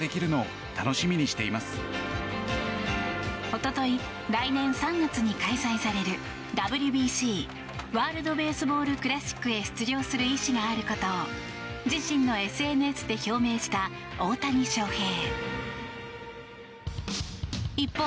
一昨日、来年３月に開催されるＷＢＣ・ワールド・ベースボール・クラシックへ出場する意思があることを自身のＳＮＳで表明した大谷翔平。